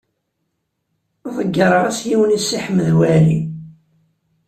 Ḍeyyreɣ-as yiwen i Si Ḥmed Waɛli.